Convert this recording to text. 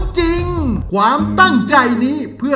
จาวจริง